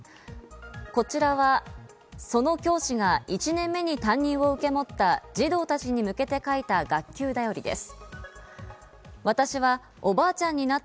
こちらはその教師が１年目に担任を受け持った児童たちに向けて書いた学級だよりです。